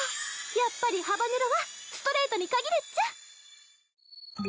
やっぱりハバネロはストレートに限るっちゃ。